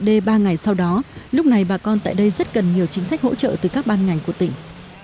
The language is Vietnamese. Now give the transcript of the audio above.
d ba ngày sau đó lúc này bà con tại đây rất cần nhiều chính sách hỗ trợ từ các ban ngành của tỉnh